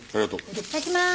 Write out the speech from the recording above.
いただきまーす。